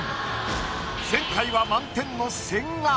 前回は満点の千賀。